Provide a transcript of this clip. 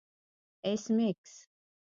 ایس میکس